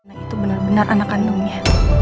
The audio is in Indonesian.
itu bener bener anak kandungnya